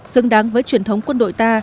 xứng đáng với truyền thống quân đội ta